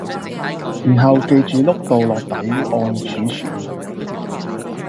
然後記住碌到落底按儲存